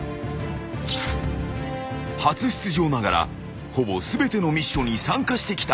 ［初出場ながらほぼ全てのミッションに参加してきた